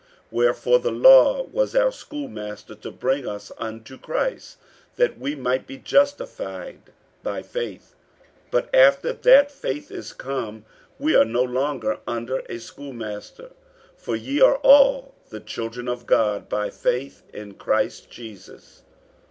48:003:024 Wherefore the law was our schoolmaster to bring us unto Christ, that we might be justified by faith. 48:003:025 But after that faith is come, we are no longer under a schoolmaster. 48:003:026 For ye are all the children of God by faith in Christ Jesus.